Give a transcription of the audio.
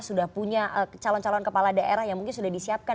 sudah punya calon calon kepala daerah yang mungkin sudah disiapkan